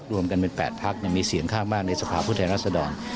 รวมกันเป็น๘พักมีเสียงข้างมากในสภาพผู้แทนรัศดร